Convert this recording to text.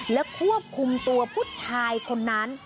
และควบคุมตัวผู้ชายคนนั้น